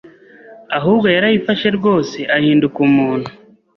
ahubwo yarayifashe rwose ahinduka umuntu.